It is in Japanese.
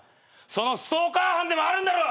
そのストーカー犯でもあるんだろ！？